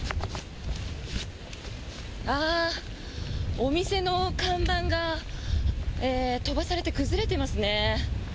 お店の看板が飛ばされて崩れてますね。